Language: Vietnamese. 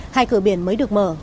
hai cửa biển mới được mở